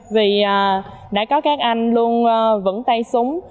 vì đã có các anh luôn vững tay súng